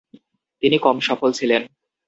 তিনি কম সফল ছিলেন।